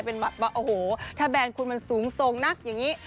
โอ้โหถ้าแบรนด์คุณมันสูงสงนักอย่างนี้